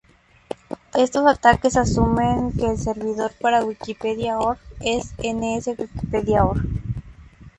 Estos ataques asumen que el servidor para wikipedia.org es ns.wikipedia.org.